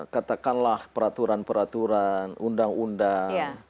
katakanlah peraturan peraturan undang undang